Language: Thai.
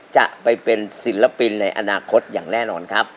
จะไปเป็นศิลปินในอนาคตอย่างแน่นอนครับ